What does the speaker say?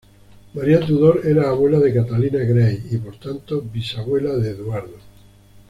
María Tudor era abuela de Catalina Grey, y por tanto, bisabuela de Eduardo.